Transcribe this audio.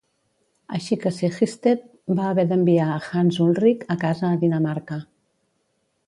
Així que Sehested va haver d'enviar a Hans Ulrik a casa a Dinamarca.